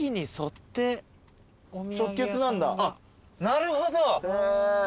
なるほど。